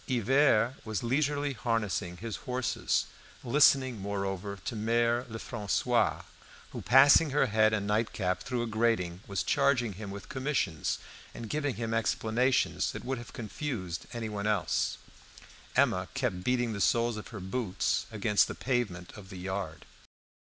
Hivert was leisurely harnessing his horses, listening, moreover, to Mere Lefrancois, who, passing her head and nightcap through a grating, was charging him with commissions and giving him explanations that would have confused anyone else. Emma kept beating the soles of her boots against the pavement of the yard.